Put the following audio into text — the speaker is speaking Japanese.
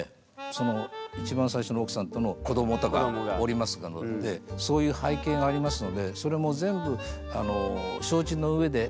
その一番最初の奥さんとの子どもがおりますのでそういう背景がありますのでそれも全部承知の上で。